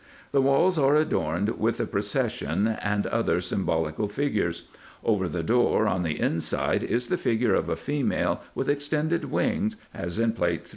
The walls are adorned with the pro cession and other symbolical figures. Over the door, in the inside, is the figure of a female with extended wings, as in Plate 3.